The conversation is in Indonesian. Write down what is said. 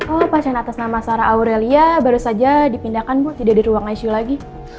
oh pasien atas nama sarah aurelia baru saja dipindahkan bu tidak di ruang icu lagi